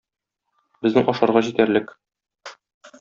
Безнең ашарга җитәрлек.